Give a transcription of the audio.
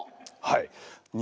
はい。